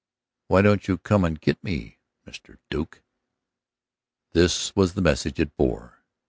Why don't you come and get me, Mr. Duke? This was the message it bore.